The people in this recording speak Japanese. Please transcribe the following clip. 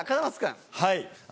はい。